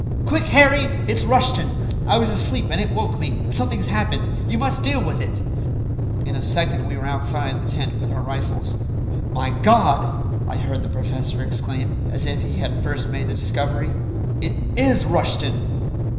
"Quick, Harry! It's Rushton. I was asleep and it woke me. Something's happened. You must deal with it!" In a second we were outside the tent with our rifles. "My God!" I heard the professor exclaim, as if he had first made the discovery. "It is Rushton!"